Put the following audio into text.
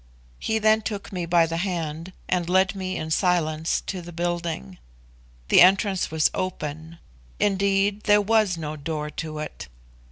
He then took me by the hand and led me in silence to the building. The entrance was open indeed there was no door to it.